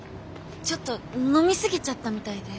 ちょっと飲みすぎちゃったみたいで。